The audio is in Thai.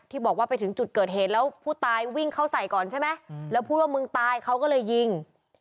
บอกว่าไปถึงจุดเกิดเหตุแล้วผู้ตายวิ่งเข้าใส่ก่อนใช่ไหมแล้วพูดว่ามึงตายเขาก็เลยยิง